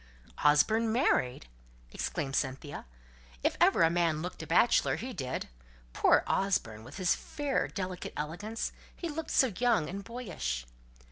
"Osborne married!" exclaimed Cynthia. "If ever a man looked a bachelor, he did. Poor Osborne! with his fair delicate elegance, he looked so young and boyish!"